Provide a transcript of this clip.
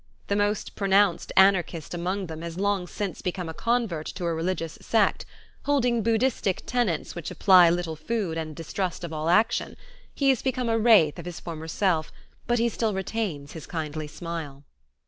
The most pronounced anarchist among them has long since become a convert to a religious sect, holding Buddhistic tenets which imply little food and a distrust of all action; he has become a wraith of his former self but he still retains his kindly smile.